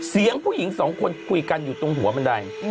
เสียงผู้หญิงสองคนคุยกันอยู่ตรงหัวบันได